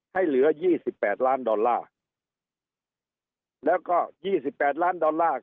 เหลือยี่สิบแปดล้านดอลลาร์แล้วก็ยี่สิบแปดล้านดอลลาร์